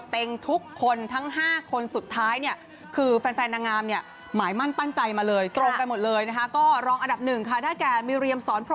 ทุกคนทั้ง๕คนสุดท้ายเนี่ยคือแฟนดางามเนี่ยหมายมั่นปั้นใจมาเลยโกยไปหมดเลยนะฮะก็รองอันดับ๑ค่ะเท่ากับเมริยม